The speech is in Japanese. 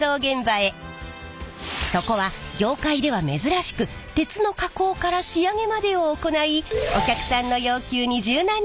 そこは業界では珍しく鉄の加工から仕上げまでを行いお客さんの要求に柔軟に応えるイスを作っている工場。